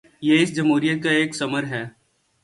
یہ اس جمہوریت کا ایک ثمر ہے۔